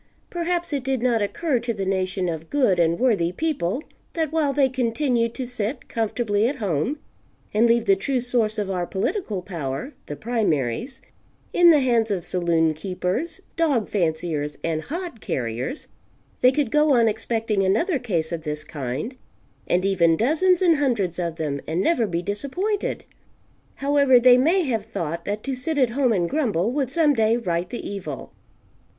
Perhaps it did not occur to the nation of good and worthy people that while they continued to sit comfortably at home and leave the true source of our political power (the "primaries,") in the hands of saloon keepers, dog fanciers and hod carriers, they could go on expecting "another" case of this kind, and even dozens and hundreds of them, and never be disappointed. However, they may have thought that to sit at home and grumble would some day right the evil.